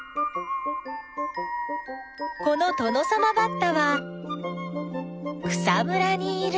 このトノサマバッタは草むらにいる。